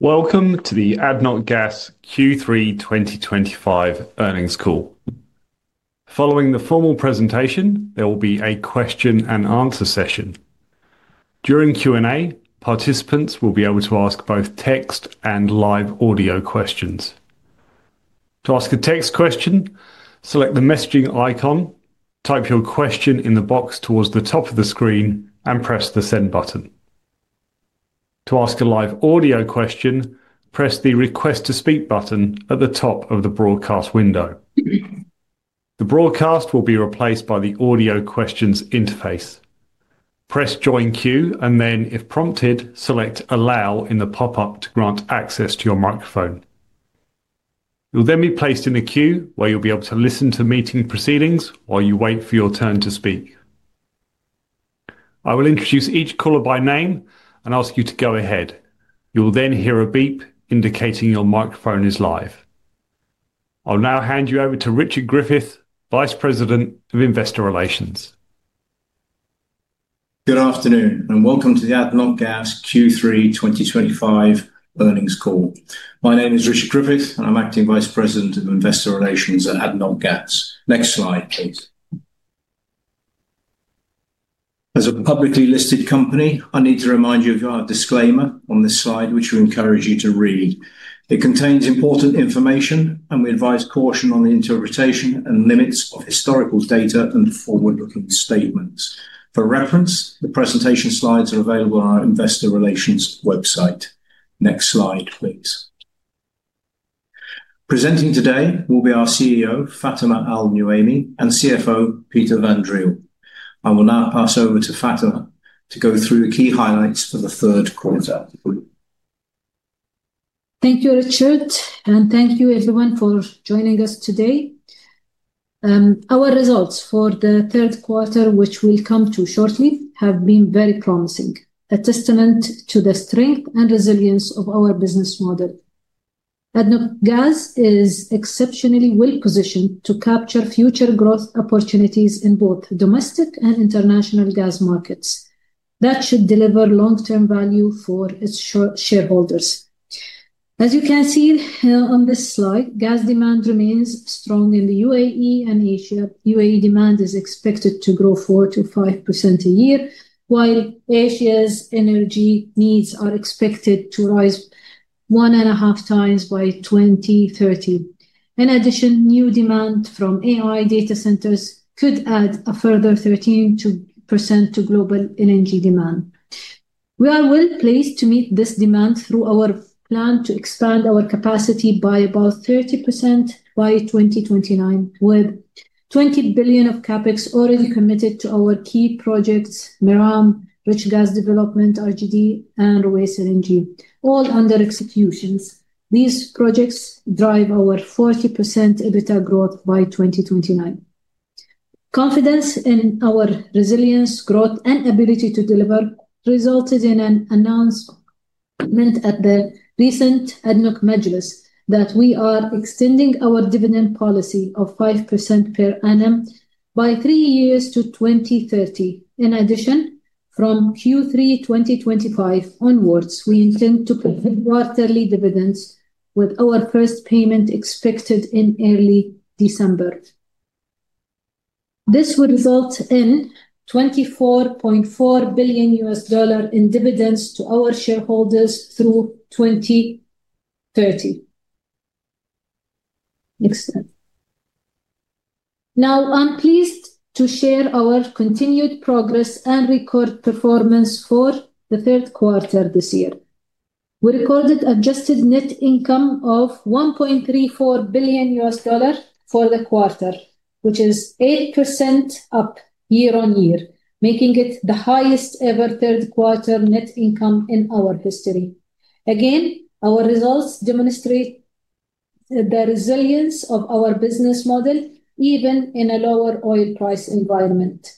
Welcome to the ADNOC Gas Q3 2025 earnings call. Following the formal presentation, there will be a question-and-answer session. During Q&A, participants will be able to ask both text and live audio questions. To ask a text question, select the messaging icon, type your question in the box towards the top of the screen, and press the send button. To ask a live audio question, press the request-to-speak button at the top of the broadcast window. The broadcast will be replaced by the audio questions interface. Press join queue, and then, if prompted, select allow in the pop-up to grant access to your microphone. You'll then be placed in the queue where you'll be able to listen to meeting proceedings while you wait for your turn to speak. I will introduce each caller by name and ask you to go ahead. You'll then hear a beep indicating your microphone is live. I'll now hand you over to Richard Griffith, Vice President of Investor Relations. Good afternoon and welcome to the ADNOC Gas Q3 2025 earnings call. My name is Richard Griffith, and I'm Acting Vice President of Investor Relations at ADNOC Gas. Next slide, please. As a publicly listed company, I need to remind you of our disclaimer on this slide, which we encourage you to read. It contains important information, and we advise caution on the interpretation and limits of historical data and forward-looking statements. For reference, the presentation slides are available on our Investor Relations website. Next slide, please. Presenting today will be our CEO, Fatema Al Nuaimi, and CFO, Peter van Driel. I will now pass over to Fatema to go through the key highlights for the third quarter. Thank you, Richard, and thank you, everyone, for joining us today. Our results for the third quarter, which we'll come to shortly, have been very promising, a testament to the strength and resilience of our business model. ADNOC Gas is exceptionally well-positioned to capture future growth opportunities in both domestic and international gas markets that should deliver long-term value for its shareholders. As you can see on this slide, gas demand remains strong in the UAE and Asia. UAE demand is expected to grow 4%-5% a year, while Asia's energy needs are expected to rise one and a half times by 2030. In addition, new demand from AI data centers could add a further 13% to global energy demand. We are well placed to meet this demand through our plan to expand our capacity by about 30% by 2029, with $20 billion of CAPEX already committed to our key projects: MIRAM, Rich Gas Development (RGD), and Railways LNG, all under execution. These projects drive our 40% EBITDA growth by 2029. Confidence in our resilience, growth, and ability to deliver resulted in an announcement at the recent ADNOC Majlis that we are extending our dividend policy of 5% per annum by three years to 2030. In addition, from Q3 2025 onwards, we intend to pay quarterly dividends, with our first payment expected in early December. This would result in $24.4 billion in dividends to our shareholders through 2030. Next slide. Now, I'm pleased to share our continued progress and record performance for the third quarter this year. We recorded adjusted net income of $1.34 billion for the quarter, which is 8% up year on year, making it the highest-ever third quarter net income in our history. Again, our results demonstrate the resilience of our business model, even in a lower oil price environment.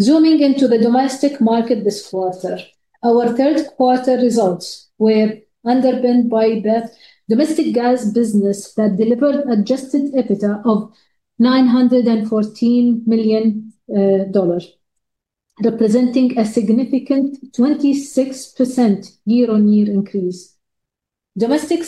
Zooming into the domestic market this quarter, our third quarter results were underpinned by the domestic gas business that delivered adjusted EBITDA of $914 million, representing a significant 26% year-on-year increase. Domestic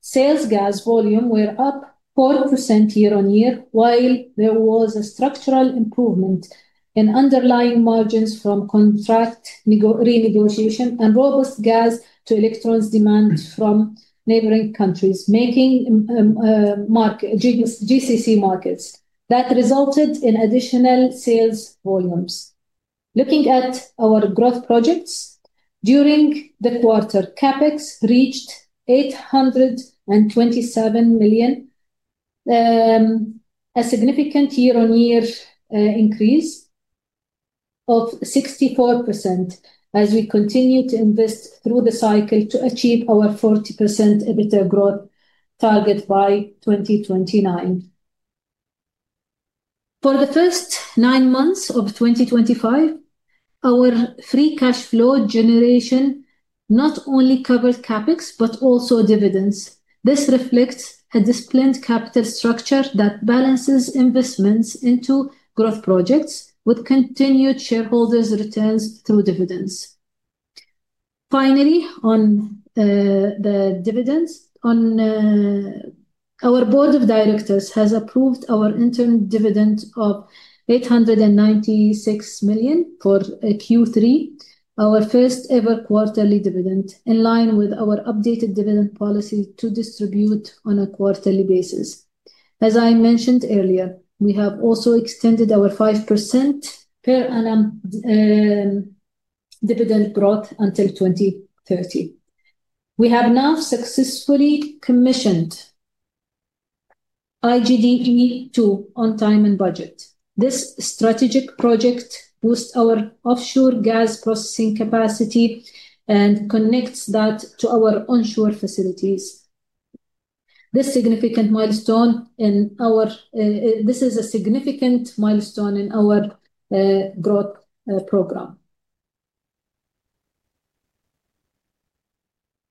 sales gas volume was were up 4% year-on-year, while there was a structural improvement in underlying margins from contract renegotiation and robust gas-to-electrons demand from neighboring countries, marked GCC markets, that resulted in additional sales volumes. Looking at our growth projects during the quarter, CAPEX reached $827 million, a significant year-on-year increase of 64% as we continue to invest through the cycle to achieve our 40% EBITDA growth target by 2029. For the first nine months of 2025, our free cash flow generation not only covered CAPEX but also dividends. This reflects a disciplined capital structure that balances investments into growth projects with continued shareholders' returns through dividends. Finally, on the dividends, our Board of Directors has approved our internal dividend of $896 million for Q3, our first-ever quarterly dividend, in line with our updated dividend policy to distribute on a quarterly basis. As I mentioned earlier, we have also extended our 5% per annum dividend growth until 2030. We have now successfully commissioned IGDE2 on time and budget. This strategic project boosts our offshore gas processing capacity and connects that to our onshore facilities. This is a significant milestone in our growth program.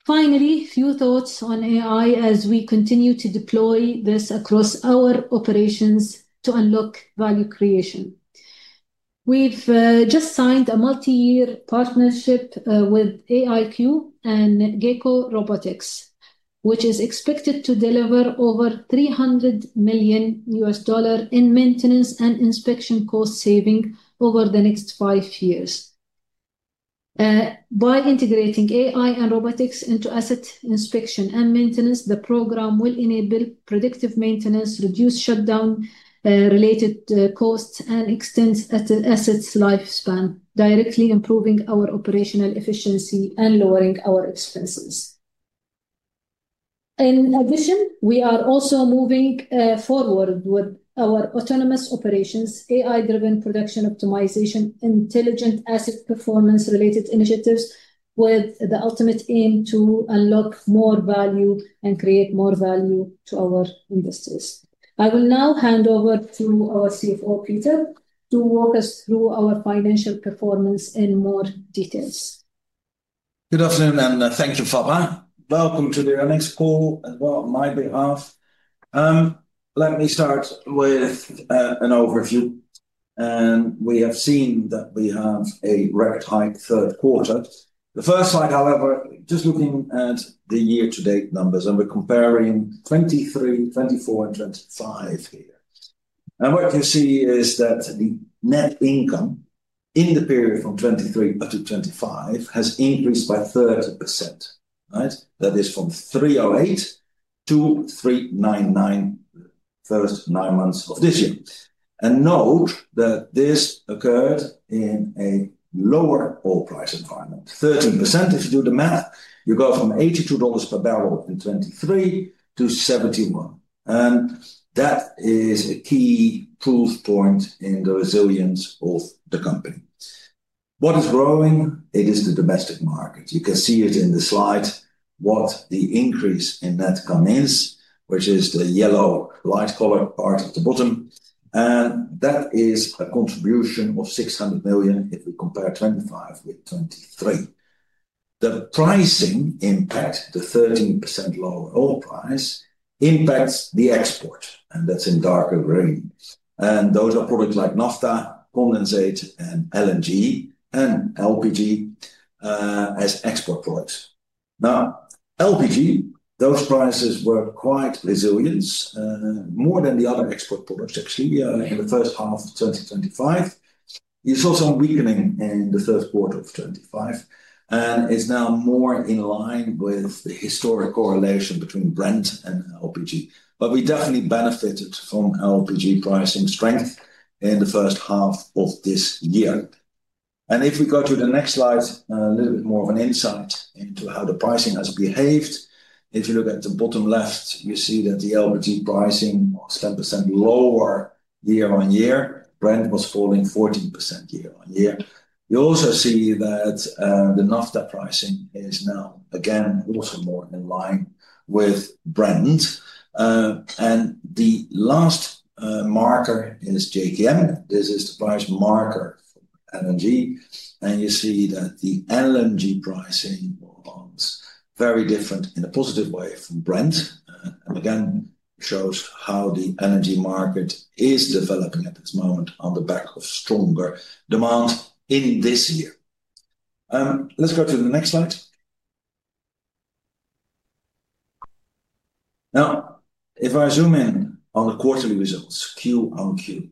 Finally, a few thoughts on AI as we continue to deploy this across our operations to unlock value creation. We've just signed a multi-year partnership with AIQ and Gecko Robotics, which is expected to deliver over $300 million in maintenance and inspection cost savings over the next five years. By integrating AI and robotics into asset inspection and maintenance, the program will enable predictive maintenance, reduce shutdown-related costs, and extend assets' lifespan, directly improving our operational efficiency and lowering our expenses. In addition, we are also moving forward with our autonomous operations, AI-driven production optimization, intelligent asset performance-related initiatives, with the ultimate aim to unlock more value and create more value to our investors. I will now hand over to our CFO, Peter, to walk us through our financial performance in more detail. Good afternoon and thank you, Fatema. Welcome to the earnings call as well on my behalf. Let me start with an overview. We have seen that we have a record-high third quarter. The first slide, however, just looking at the year-to-date numbers, and we're comparing 2023, 2024, and 2025 here. What you see is that the net income in the period from 2023 to 2025 has increased by 30%. That is from $308 million to $399 million in the first nine months of this year. Note that this occurred in a lower oil price environment. 13%, if you do the math, you go from $82 per barrel in 2023 to $71. That is a key proof point in the resilience of the company. What is growing? It is the domestic market. You can see it in the slide, what the increase in net income is, which is the yellow light-colored part at the bottom. That is a contribution of $600 million if we compare 2025 with 2023. The pricing impact, the 13% lower oil price, impacts the export, and that's in darker green. Those are products like naphtha, condensate, LNG, and LPG as export products. Now, LPG, those prices were quite resilient, more than the other export products, actually, in the first half of 2025. You saw some weakening in the third quarter of 2025, and it's now more in line with the historic correlation between Brent and LPG. We definitely benefited from LPG pricing strength in the first half of this year. If we go to the next slide, a little bit more of an insight into how the pricing has behaved. If you look at the bottom left, you see that the LPG pricing was 10% lower year-on-year. Brent was falling 14% year-on-year. You also see that the naphtha pricing is now, again, also more in line with Brent. The last marker is JKM. This is the price marker for LNG. You see that the LNG pricing was very different in a positive way from Brent. It shows how the energy market is developing at this moment on the back of stronger demand in this year. Let's go to the next slide. Now, if I zoom in on the quarterly results, Q on Q,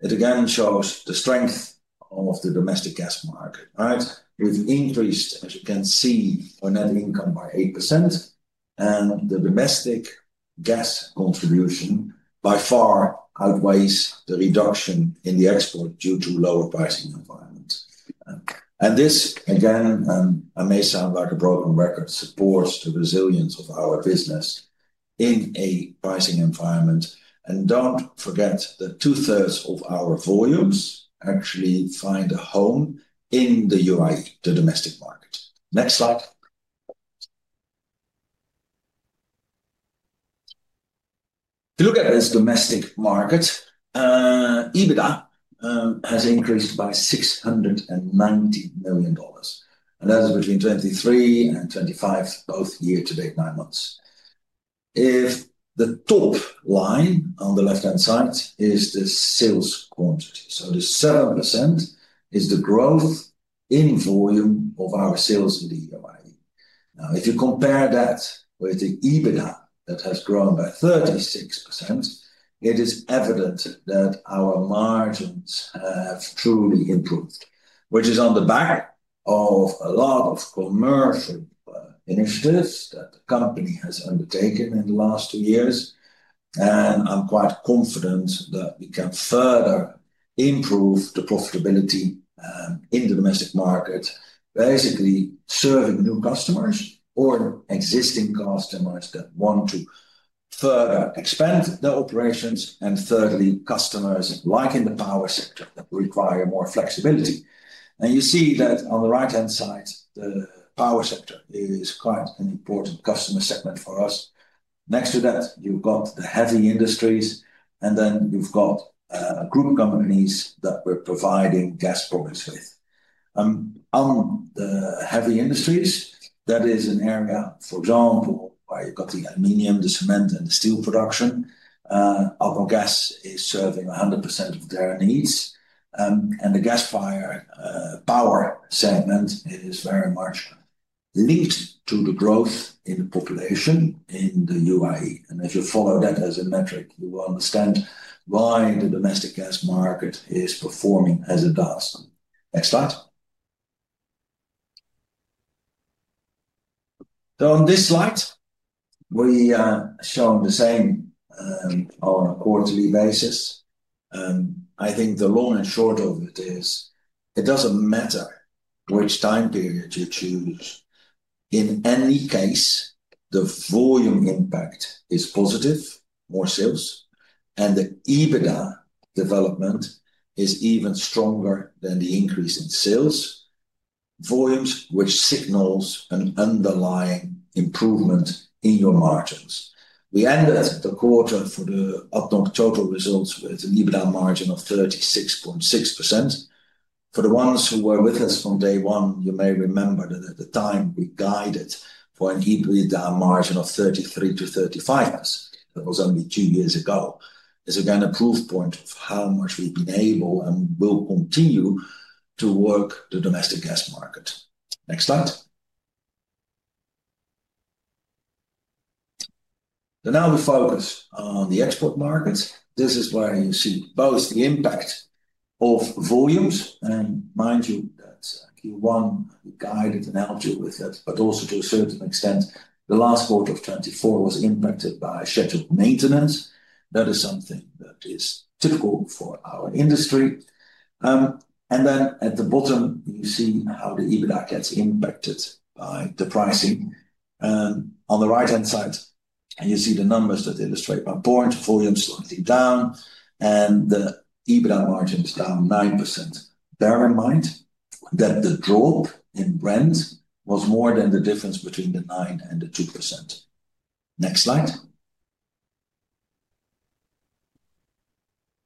it again shows the strength of the domestic gas market, right? We've increased, as you can see, our net income by 8%. The domestic gas contribution by far outweighs the reduction in the export due to lower pricing environment. This, again, and I may sound like a broken record, supports the resilience of our business in a pricing environment. Do not forget that two-thirds of our volumes actually find a home in the UAE, the domestic market. Next slide. If you look at this domestic market, EBITDA has increased by $690 million. That is between 2023 and 2025, both year-to-date nine months. If the top line on the left-hand side is the sales quantity, the 7% is the growth in volume of our sales in the UAE. Now, if you compare that with the EBITDA that has grown by 36%, it is evident that our margins have truly improved, which is on the back of a lot of commercial initiatives that the company has undertaken in the last two years. I'm quite confident that we can further improve the profitability in the domestic market, basically serving new customers or existing customers that want to further expand their operations. Thirdly, customers like in the power sector require more flexibility. You see that on the right-hand side, the power sector is quite an important customer segment for us. Next to that, you have the heavy industries, and then you have group companies that we are providing gas products to. On the heavy industries, that is an area, for example, where you have the aluminum, the cement, and the steel production. ADNOC Gas is serving 100% of their needs. The gas power segment is very much linked to the growth in the population in the UAE. If you follow that as a metric, you will understand why the domestic gas market is performing as it does. Next slide. On this slide, we are showing the same on a quarterly basis. I think the long and short of it is it does not matter which time period you choose. In any case, the volume impact is positive, more sales. The EBITDA development is even stronger than the increase in sales volumes, which signals an underlying improvement in your margins. We ended the quarter for the up-to-date total results with an EBITDA margin of 36.6%. For the ones who were with us from day one, you may remember that at the time we guided for an EBITDA margin of 33-35%. That was only two years ago. It is again a proof point of how much we have been able and will continue to work the domestic gas market. Next slide. Now we focus on the export markets. This is where you see both the impact of volumes. Mind you, that's Q1. We guided and helped you with that, but also to a certain extent, the last quarter of 2024 was impacted by scheduled maintenance. That is something that is typical for our industry. At the bottom, you see how the EBITDA gets impacted by the pricing. On the right-hand side, you see the numbers that illustrate by point volumes slightly down, and the EBITDA margin is down 9%. Bear in mind that the drop in Brent was more than the difference between the 9% and the 2%. Next slide.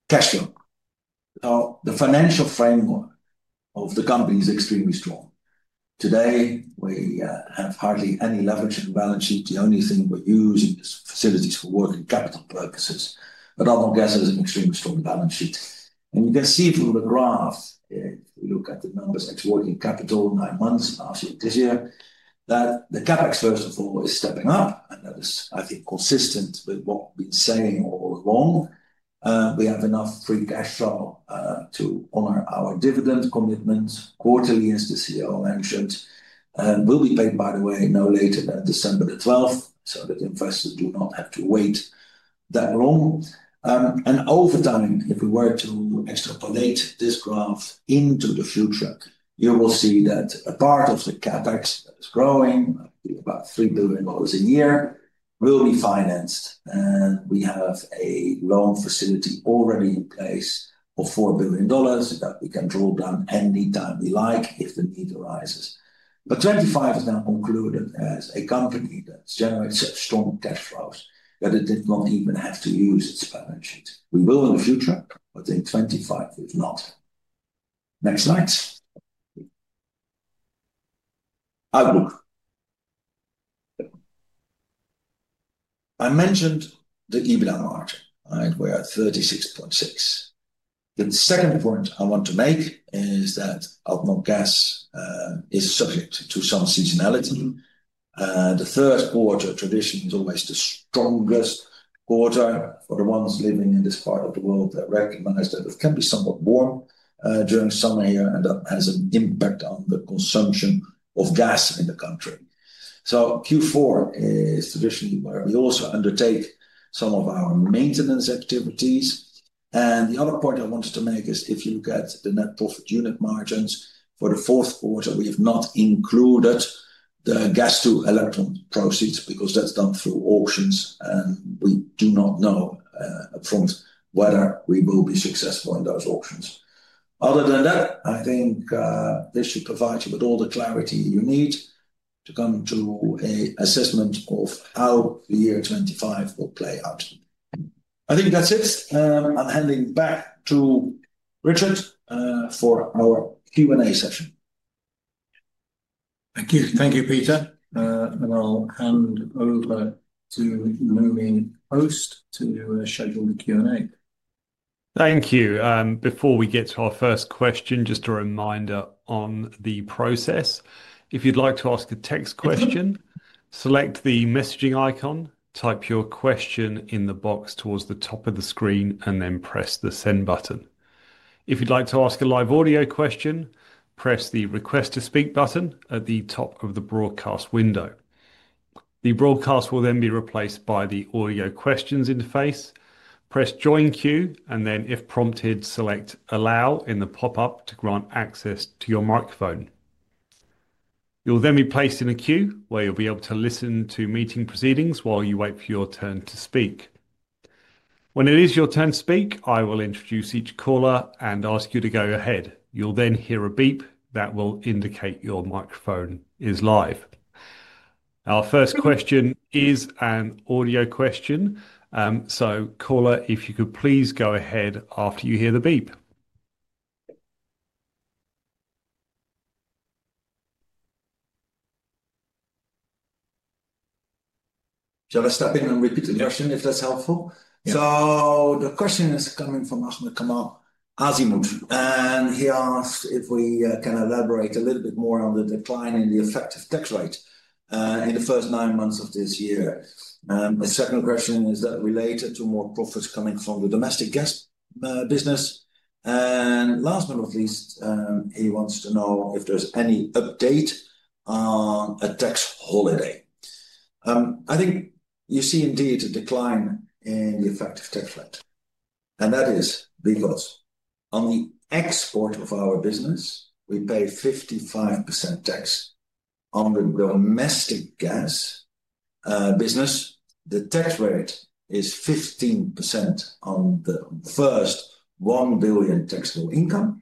Cash flow. The financial framework of the company is extremely strong. Today, we have hardly any leverage in the balance sheet. The only thing we're using is facilities for working capital purposes. ADNOC Gas has an extremely strong balance sheet. You can see from the graph, if we look at the numbers exporting capital nine months after this year, that the CAPEX, first of all, is stepping up. That is, I think, consistent with what we've been saying all along. We have enough free cash flow to honor our dividend commitment quarterly, as the CEO mentioned. It will be paid, by the way, no later than December 12th, so that investors do not have to wait that long. Over time, if we were to extrapolate this graph into the future, you will see that a part of the CAPEX that is growing, about $3 billion a year, will be financed. We have a loan facility already in place of $4 billion that we can draw down anytime we like if the need arises. Twenty twenty-five has now concluded as a company that generates such strong cash flows that it did not even have to use its balance sheet. We will in the future, but in twenty twenty-five, we've not. Next slide. Outlook. I mentioned the EBITDA margin, right? We are at 36.6%. The second point I want to make is that ADNOC Gas is subject to some seasonality. The third quarter tradition is always the strongest quarter for the ones living in this part of the world that recognize that it can be somewhat warm during summer here and that has an impact on the consumption of gas in the country. Q4 is traditionally where we also undertake some of our maintenance activities. The other point I wanted to make is if you look at the net profit unit margins for the fourth quarter, we have not included the gas-to-electron proceeds because that's done through auctions, and we do not know upfront whether we will be successful in those auctions. Other than that, I think this should provide you with all the clarity you need to come to an assessment of how the year 2025 will play out. I think that's it. I'm handing back to Richard for our Q&A session. Thank you. Thank you, Peter. I'll hand over to the rooming host to schedule the Q&A. Thank you. Before we get to our first question, just a reminder on the process. If you'd like to ask a text question, select the messaging icon, type your question in the box towards the top of the screen, and then press the send button. If you'd like to ask a live audio question, press the request to speak button at the top of the broadcast window. The broadcast will then be replaced by the audio questions interface. Press join queue, and then if prompted, select allow in the pop-up to grant access to your microphone. You'll then be placed in a queue where you'll be able to listen to meeting proceedings while you wait for your turn to speak. When it is your turn to speak, I will introduce each caller and ask you to go ahead. You'll then hear a beep that will indicate your microphone is live. Our first question is an audio question. Caller, if you could please go ahead after you hear the beep. Shall I step in and repeat the question if that's helpful? The question is coming from Ahmed Kamal Azimut, and he asked if we can elaborate a little bit more on the decline in the effective tax rate in the first nine months of this year. The second question is that related to more profits coming from the domestic gas business. Last but not least, he wants to know if there's any update on a tax holiday. I think you see indeed a decline in the effective tax rate. That is because on the export of our business, we pay 55% tax. On the domestic gas business, the tax rate is 15% on the first $1 billion taxable income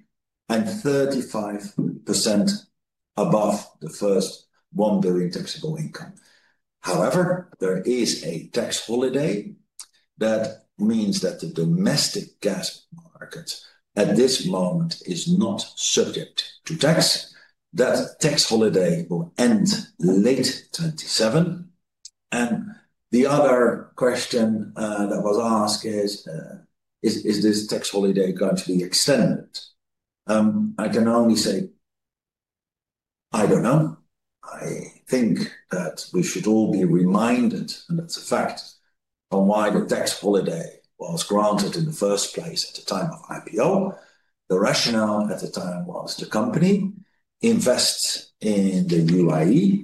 and 35% above the first $1 billion taxable income. However, there is a tax holiday. That means that the domestic gas market at this moment is not subject to tax. That tax holiday will end late 2027. The other question that was asked is, is this tax holiday going to be extended? I can only say, I do not know. I think that we should all be reminded, and that is a fact, on why the tax holiday was granted in the first place at the time of IPO. The rationale at the time was the company invests in the UAE,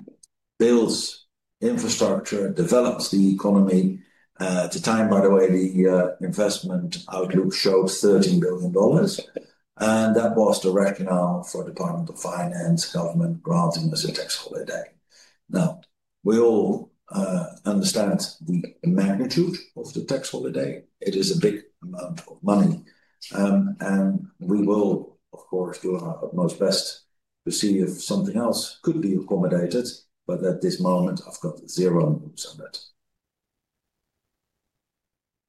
builds infrastructure, develops the economy. At the time, by the way, the investment outlook showed $13 billion. That was the rationale for the Department of Finance government granting us a tax holiday. Now, we all understand the magnitude of the tax holiday. It is a big amount of money. We will, of course, do our utmost best to see if something else could be accommodated, but at this moment, I've got zero moves on that.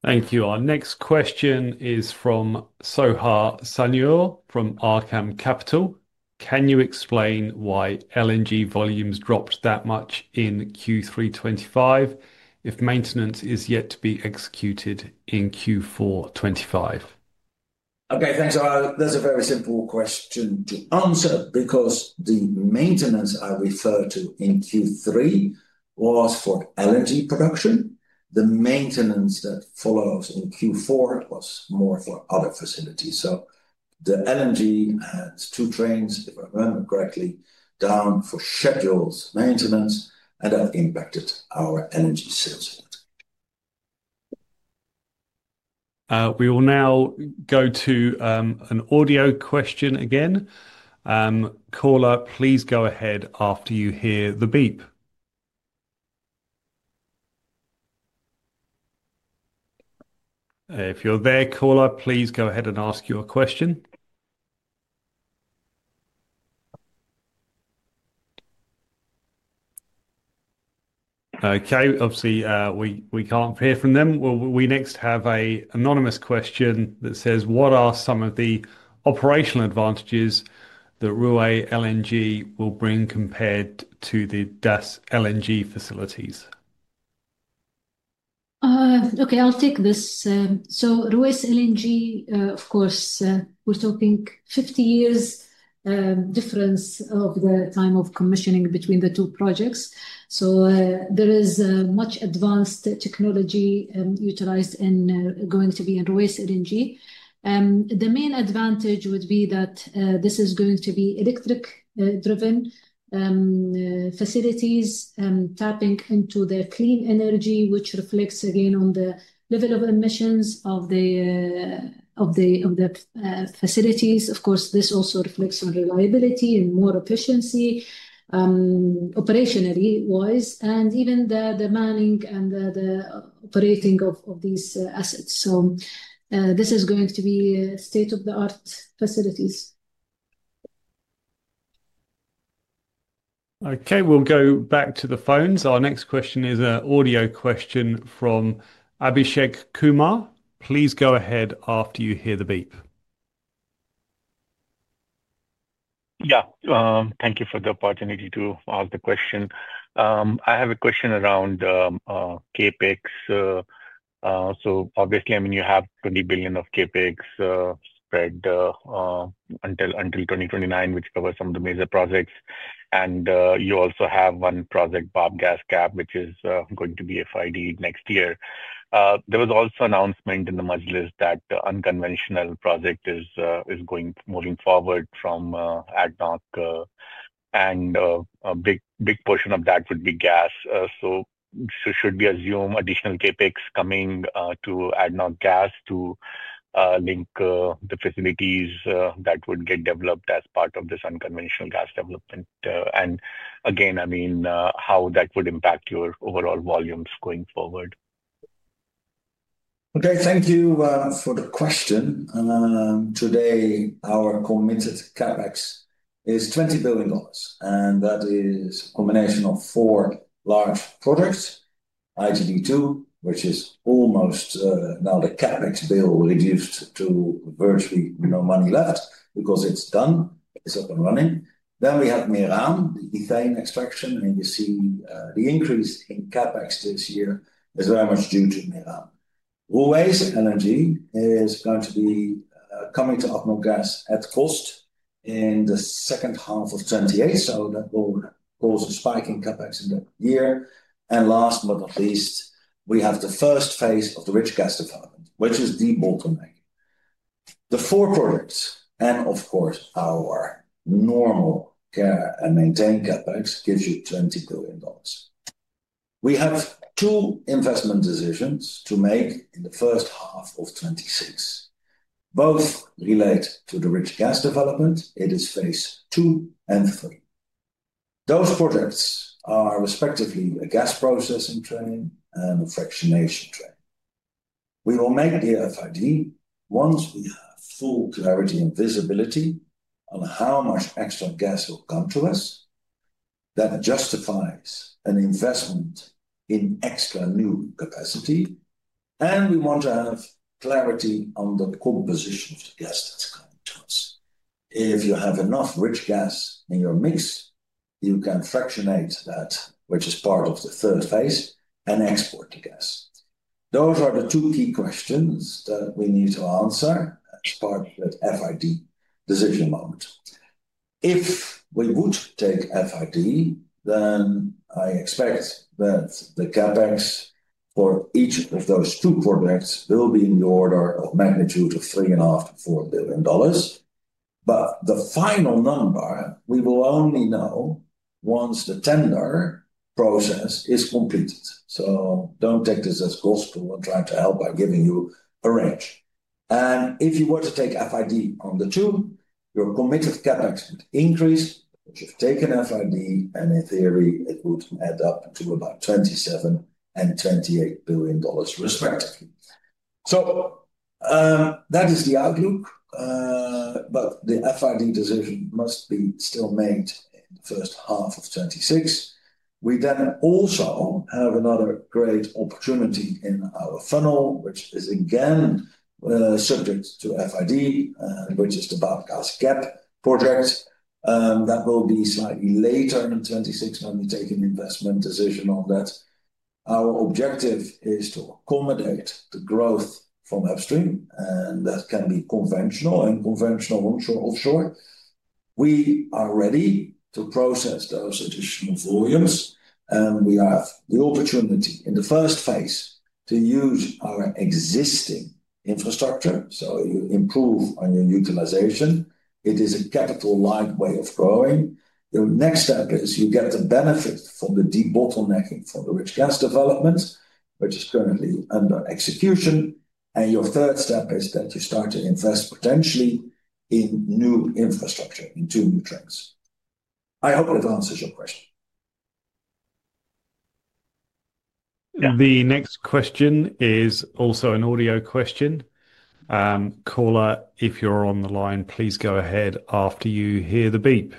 Thank you. Our next question is from Soha Sanyur from Arqaam Capital. Can you explain why LNG volumes dropped that much in Q3 2025 if maintenance is yet to be executed in Q4 2025? Okay, thanks. That's a very simple question to answer because the maintenance I refer to in Q3 was for LNG production. The maintenance that follows in Q4 was more for other facilities. The LNG had two trains, if I remember correctly, down for scheduled maintenance, and that impacted our LNG sales. We will now go to an audio question again. Caller, please go ahead after you hear the beep. If you're there, caller, please go ahead and ask your question. Okay, obviously, we can't hear from them. We have next an anonymous question that says, what are some of the operational advantages that Ruwais LNG will bring compared to the Das LNG facilities? Okay, I'll take this. Ruwais LNG, of course, we're talking 50 years difference of the time of commissioning between the two projects. There is much advanced technology utilized and going to be in Ruwais LNG. The main advantage would be that this is going to be electric-driven facilities tapping into their clean energy, which reflects again on the level of emissions of the facilities. This also reflects on reliability and more operational efficiency, reliability, and ease of operating these assets. This is going to be state-of-the-art facilities. Okay, we'll go back to the phones. Our next question is an audio question from Abhishek Kumar. Please go ahead after you hear the beep. Yeah, thank you for the opportunity to ask the question. I have a question around CAPEX. Obviously, I mean, you have $20 billion of CAPEX spread until 2029, which covers some of the major projects. You also have one project, Bab Gas Haakon Sandborg, which is going to be FID next year. There was also an announcement in the Majlis that the unconventional project is moving forward from ADNOC, and a big portion of that would be gas. Should we assume additional CAPEX coming to ADNOC Gas to link the facilities that would get developed as part of this unconventional gas development? Again, I mean, how that would impact your overall volumes going forward? Okay, thank you for the question. Today, our committed CAPEX is $20 billion, and that is a combination of four large projects, IGD2, which is almost now the CAPEX bill reduced to virtually no money left because it's done, it's up and running. Then we have Mehran, the ethane extraction, and you see the increase in CAPEX this year is very much due to Mehran. Ruwais LNG is going to be coming to OPCO Gas at cost in the second half of 2028, so that will cause a spike in CAPEX in that year. Last but not least, we have the first phase of the rich gas development, which is the bottleneck. The four projects and, of course, our normal care and maintenance CAPEX gives you $20 billion. We have two investment decisions to make in the first half of 2026. Both relate to the rich gas development. It is phase two and three. Those projects are respectively a gas processing train and a fractionation train. We will make the FID once we have full clarity and visibility on how much extra gas will come to us that justifies an investment in extra new capacity. We want to have clarity on the composition of the gas that's coming to us. If you have enough rich gas in your mix, you can fractionate that, which is part of the third phase, and export the gas. Those are the two key questions that we need to answer as part of the FID decision moment. If we would take FID, then I expect that the CAPEX for each of those two projects will be in the order of magnitude of $3.5 billion-$4 billion. The final number we will only know once the tender process is completed. Do not take this as gospel and try to help by giving you a range. If you were to take FID on the two, your committed CAPEX would increase if you have taken FID, and in theory, it would add up to about $27 billion and $28 billion respectively. That is the outlook, but the FID decision must still be made in the first half of 2026. We then also have another great opportunity in our funnel, which is again subject to FID, which is the Bab Gas Haakon project. That will be slightly later in 2026 when we take an investment decision on that. Our objective is to accommodate the growth from upstream, and that can be conventional and unconventional onshore, offshore. We are ready to process those additional volumes, and we have the opportunity in the first phase to use our existing infrastructure so you improve on your utilization. It is a capital-light way of growing. The next step is you get the benefit from the de-bottlenecking from the rich gas development, which is currently under execution. The third step is that you start to invest potentially in new infrastructure, in two new trains. I hope that answers your question. The next question is also an audio question. Caller, if you're on the line, please go ahead after you hear the beep.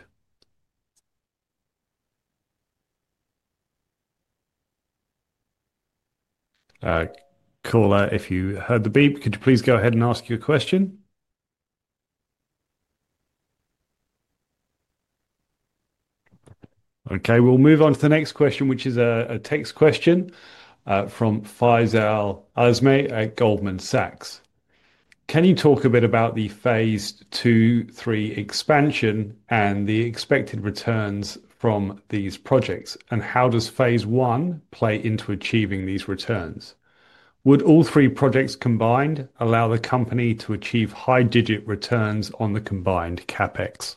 Caller, if you heard the beep, could you please go ahead and ask your question? Okay, we'll move on to the next question, which is a text question from Faisal Azmeh at Goldman Sachs. Can you talk a bit about the phase two, three expansion and the expected returns from these projects, and how does phase one play into achieving these returns? Would all three projects combined allow the company to achieve high-digit returns on the combined CAPEX?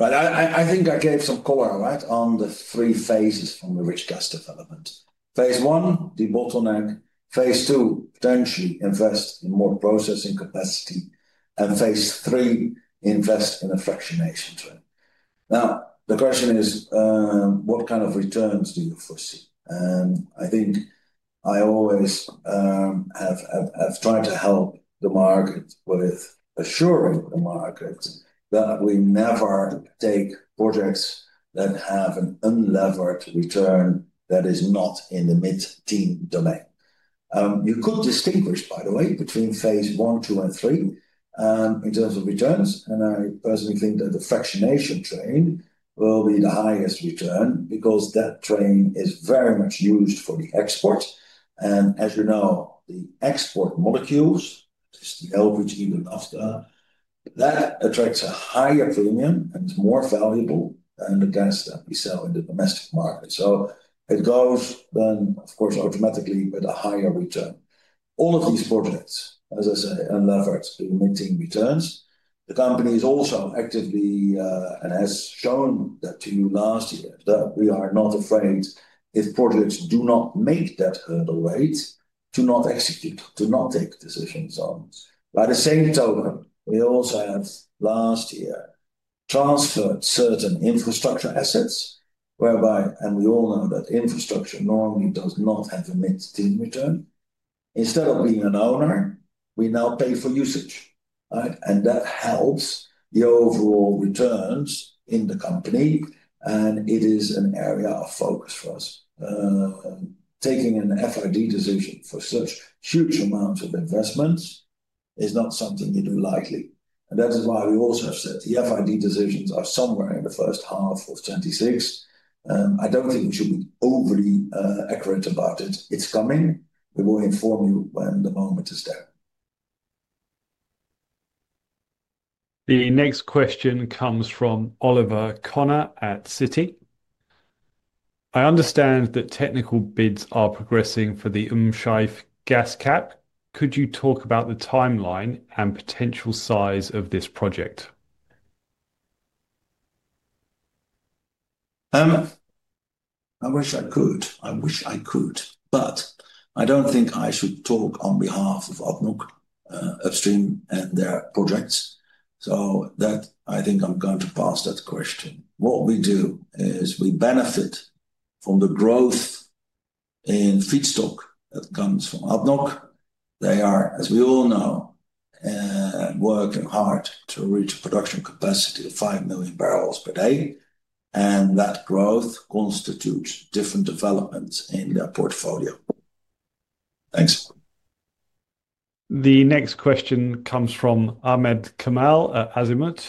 I think I gave some core on the three phases from the rich gas development. Phase one, de-bottleneck. Phase two, potentially invest in more processing capacity. Phase three, invest in a fractionation train. The question is, what kind of returns do you foresee? I think I always have tried to help the market with assuring the market that we never take projects that have an unlevered return that is not in the mid-teen domain. You could distinguish, by the way, between phase one, two, and three in terms of returns. I personally think that the fractionation train will be the highest return because that train is very much used for the export. As you know, the export molecules, just the elbows even after that attracts a higher premium and is more valuable than the gas that we sell in the domestic market. It goes then, of course, automatically with a higher return. All of these projects, as I say, unlevered to mid-teen returns. The company is also actively and has shown that to you last year that we are not afraid if projects do not make that hurdle rate to not execute, to not take decisions on. By the same token, we also have last year transferred certain infrastructure assets, whereby, and we all know that infrastructure normally does not have a mid-teen return. Instead of being an owner, we now pay for usage. That helps the overall returns in the company. It is an area of focus for us. Taking an FID decision for such huge amounts of investments is not something you do lightly. That is why we also have said the FID decisions are somewhere in the first half of 2026. I don't think we should be overly accurate about it. It's coming. We will inform you when the moment is there. The next question comes from Oliver Connor at Citi. I understand that technical bids are progressing for the Shah Gas. Could you talk about the timeline and potential size of this project? I wish I could. I wish I could, but I do not think I should talk on behalf of ADNOC, Upstream and their projects. I think I am going to pass that question. What we do is we benefit from the growth in feedstock that comes from ADNOC. They are, as we all know, working hard to reach a production capacity of 5 million barrels per day. That growth constitutes different developments in their portfolio. Thanks. The next question comes from Ahmed Kamal at Azimut.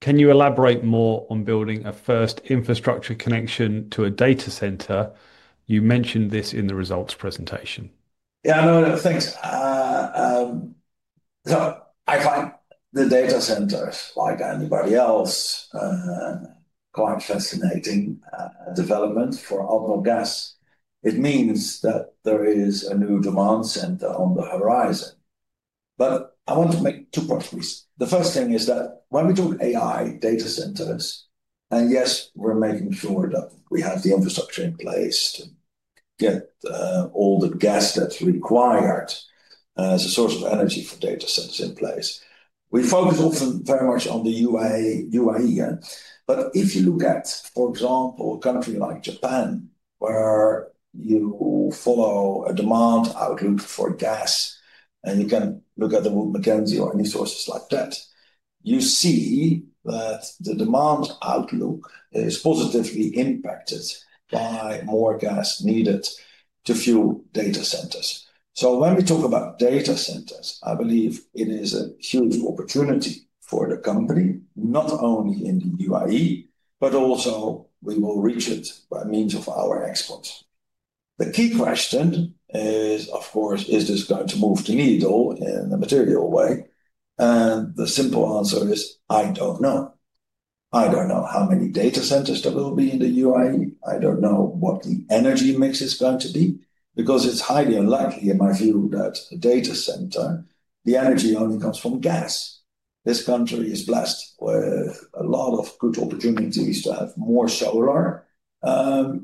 Can you elaborate more on building a first infrastructure connection to a data center? You mentioned this in the results presentation. Yeah, no, thanks. I find the data centers, like anybody else, quite fascinating development for ADNOC Gas. It means that there is a new demand center on the horizon. I want to make two points, please. The first thing is that when we talk AI data centers, and yes, we're making sure that we have the infrastructure in place to get all the gas that's required as a source of energy for data centers in place. We focus often very much on the UAE. If you look at, for example, a country like Japan, where you follow a demand outlook for gas, and you can look at Wood Mackenzie or any sources like that, you see that the demand outlook is positively impacted by more gas needed to fuel data centers. When we talk about data centers, I believe it is a huge opportunity for the company, not only in the UAE, but also we will reach it by means of our exports. The key question is, of course, is this going to move the needle in a material way? The simple answer is, I do not know. I do not know how many data centers there will be in the UAE. I do not know what the energy mix is going to be, because it is highly unlikely, in my view, that a data center, the energy only comes from gas. This country is blessed with a lot of good opportunities to have more solar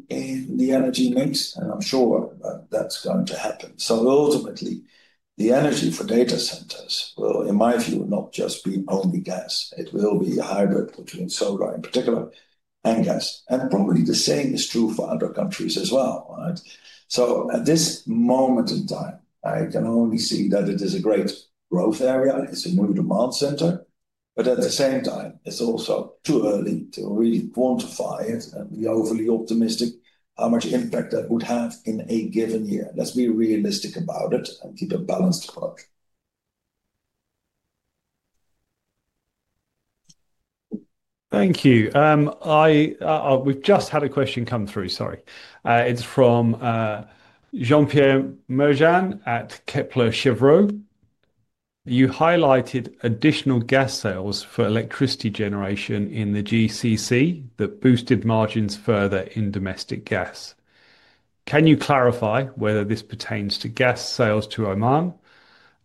in the energy mix, and I'm sure that's going to happen. Ultimately, the energy for data centers will, in my view, not just be only gas. It will be hybrid between solar in particular and gas. Probably the same is true for other countries as well. At this moment in time, I can only see that it is a great growth area. It's a new demand center. At the same time, it's also too early to really quantify it. We are overly optimistic how much impact that would have in a given year. Let's be realistic about it and keep a balanced approach. Thank you. We've just had a question come through. Sorry. It's from Jean-Pierre Mogan at Kepler Cheuvreux. You highlighted additional gas sales for electricity generation in the GCC that boosted margins further in domestic gas. Can you clarify whether this pertains to gas sales to Oman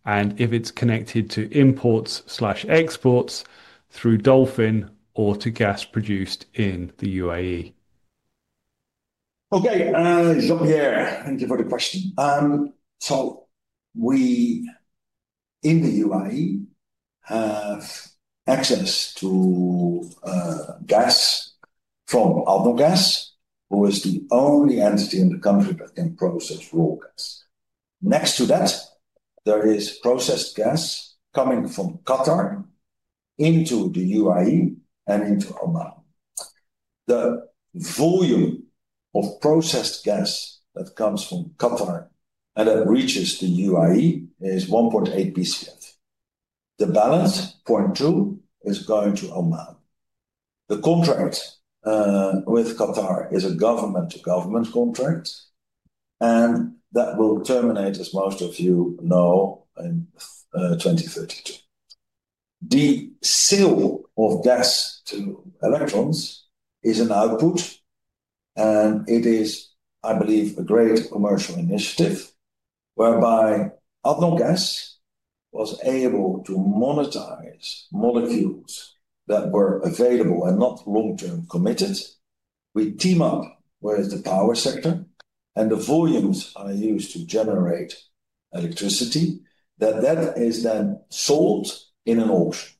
and if it's connected to imports/exports through Dolphin or to gas produced in the UAE? Okay, Jean-Pierre, thank you for the question. We in the UAE have access to gas from ADNOC Gas. The volume of processed gas that comes from Qatar and that reaches the UAE is 1.8 bcf. The balance, 0.2 bcf, is going to Oman. The contract with Qatar is a government-to-government contract, and that will terminate, as most of you know, in 2032. The sale of gas to electrons is an output, and it is, I believe, a great commercial initiative whereby ADNOC Gas participates. We team up with the power sector, and the volumes are used to generate electricity that is then sold in an auction.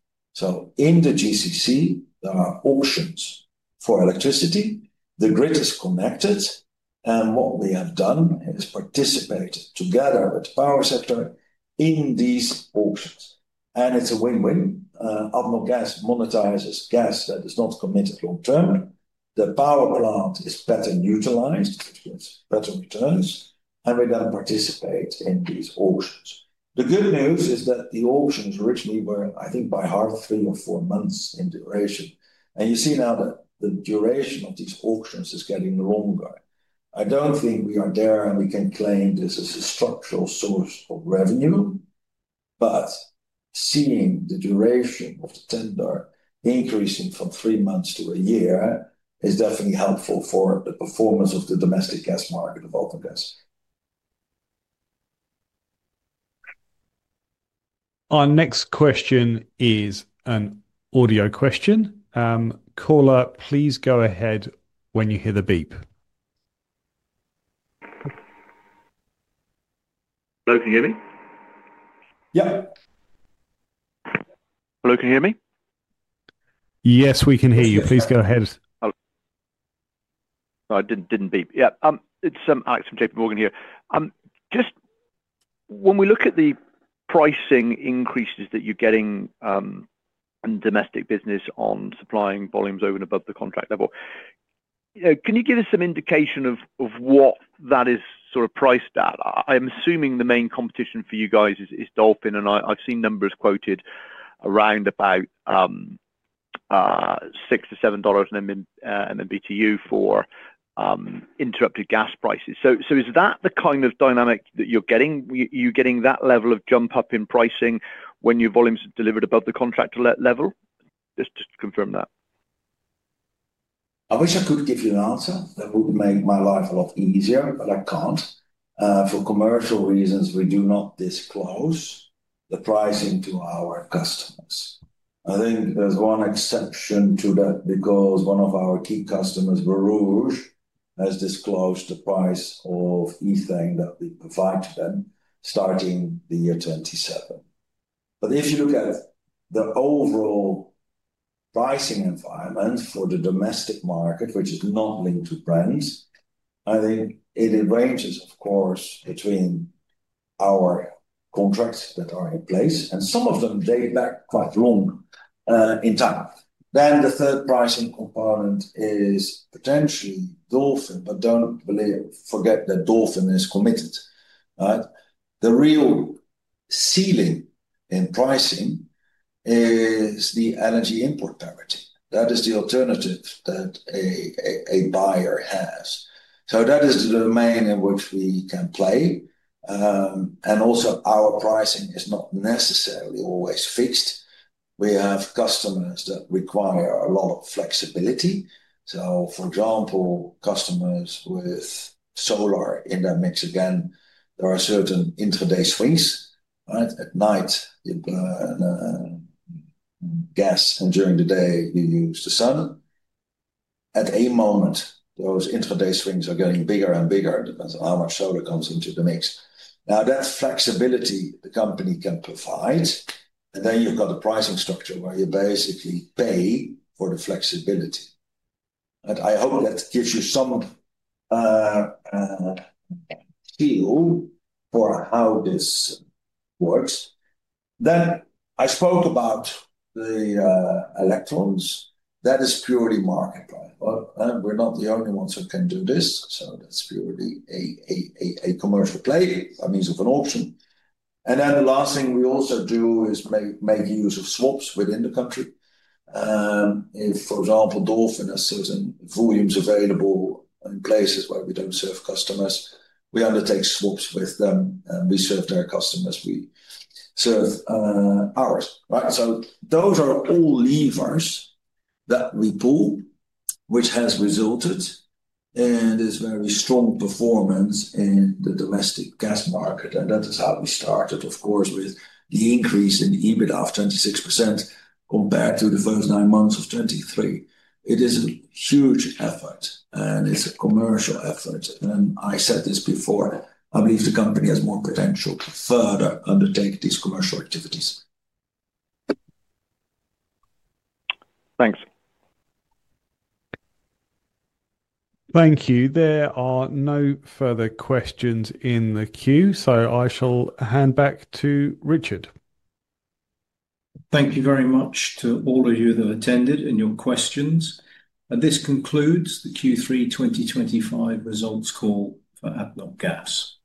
In the GCC, there are auctions for electricity. The grid is connected. What we have done is participated together with the power sector in these auctions. It is a win-win. ADNOC Gas monetizes gas that is not committed long-term. The power plant is better utilized, which gives better returns. We then participate in these auctions. The good news is that the auctions originally were, I think, by heart, three or four months in duration. You see now that the duration of these auctions is getting longer. I do not think we are there and we can claim this as a structural source of revenue. Seeing the duration of the tender increasing from three months to a year is definitely helpful for the performance of the domestic gas market of ADNOC Gas. Our next question is an audio question. Caller, please go ahead when you hear the beep. Hello, can you hear me? Yeah. Hello, can you hear me? Yes, we can hear you. Please go ahead. So it didn't beep. Yeah, it's Alex from JP Morgan here. Just when we look at the pricing increases that you're getting in domestic business on supplying volumes over and above the contract level, can you give us some indication of what that is sort of priced at? I'm assuming the main competition for you guys is Dolphin, and I've seen numbers quoted around about $6 to $7 per BTU for interrupted gas prices. Is that the kind of dynamic that you're getting? Are you getting that level of jump-up in pricing when your volumes are delivered above the contract level? Just to confirm that. I wish I could give you an answer that would make my life a lot easier, but I can't. For commercial reasons, we do not disclose the pricing to our customers. I think there's one exception to that because one of our key customers, Borouge, has disclosed the price of ethane that we provide to them starting the year 2027. If you look at the overall pricing environment for the domestic market, which is not linked to Brent, I think it ranges, of course, between our contracts that are in place, and some of them date back quite long in time. The third pricing component is potentially Dolphin, but do not forget that Dolphin is committed. The real ceiling in pricing is the energy import parity. That is the alternative that a buyer has. That is the domain in which we can play. Also, our pricing is not necessarily always fixed. We have customers that require a lot of flexibility. For example, customers with solar in their mix, again, there are certain intraday swings. At night, you've got gas, and during the day, you use the sun. At any moment, those intraday swings are getting bigger and bigger depending on how much solar comes into the mix. Now, that flexibility the company can provide, and then you've got the pricing structure where you basically pay for the flexibility. I hope that gives you some feel for how this works. I spoke about the electrons. That is purely market-driven. We're not the only ones who can do this. That is purely a commercial play, that means of an auction. The last thing we also do is make use of swaps within the country. If, for example, Dolphin has certain volumes available in places where we don't serve customers, we undertake swaps with them, and we serve their customers. We serve ours. Those are all levers that we pull, which has resulted in this very strong performance in the domestic gas market. That is how we started, of course, with the increase in EBITDA of 26% compared to the first nine months of 2023. It is a huge effort, and it's a commercial effort. I said this before, I believe the company has more potential to further undertake these commercial activities. Thanks. Thank you. There are no further questions in the queue, so I shall hand back to Richard. Thank you very much to all of you that attended and your questions. This concludes the Q3 2025 results call for ADNOC Gas.